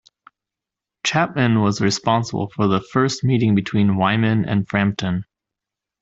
Chapman was responsible for the first meeting between Wyman and Frampton.